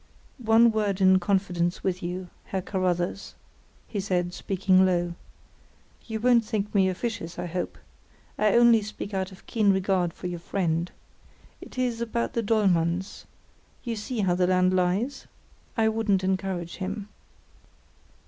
"One word in confidence with you, Herr Carruthers," he said, speaking low. "You won't think me officious, I hope. I only speak out of keen regard for your friend. It is about the Dollmanns—you see how the land lies? I wouldn't encourage him."